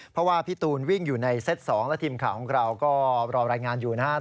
เพราะว่าพี่ตูนวิ่งอยู่ในเซต๒และทีมข่าวของเราก็รอรายงานอยู่นะครับ